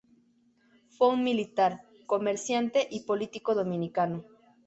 Fue un militar, comerciante y político dominicano.